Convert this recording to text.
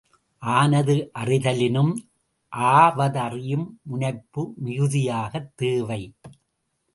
ஆனது அறிதலினும் ஆவதறியும் முனைப்பு மிகுதியாகத் தேவை.